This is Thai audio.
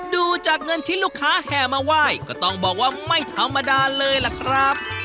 ดูจากเงินที่ลูกค้าแห่มาไหว้ก็ต้องบอกว่าไม่ธรรมดาเลยล่ะครับ